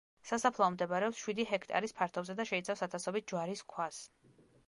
სასაფლაო მდებარეობს შვიდი ჰექტარის ფართობზე და შეიცავს ათასობით ჯვარის ქვას.